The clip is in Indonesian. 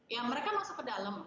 ya mereka masuk ke dalam